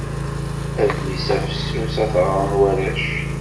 Adlis-a fessus ad t-ɣren warrac.